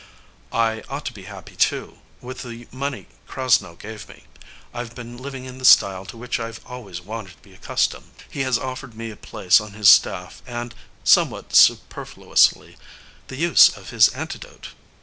I ought to be happy too. With the money Krasnow gave me, I've been living in the style to which I've always wanted to be accustomed. He has offered me a place on his staff and, somewhat superfluously, the use of his antidote.